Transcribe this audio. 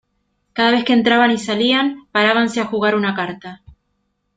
cada vez que entraban y salían parábanse a jugar una carta.